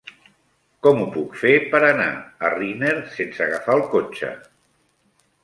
Com ho puc fer per anar a Riner sense agafar el cotxe?